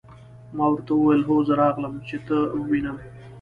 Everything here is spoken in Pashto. ما ورته وویل: هو زه راغلم، چې ته ووینم.